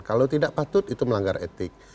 kalau tidak patut itu melanggar etik